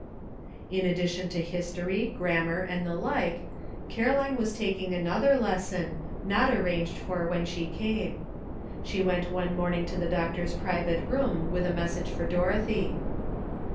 248 LEARNING. In addition to history, grammar and the like, Caroline was taking another lesson not arranged for when she came. She went one morning to the doctor's private room with a message for Dorothy.